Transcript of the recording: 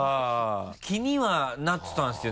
気にはなってたんですよ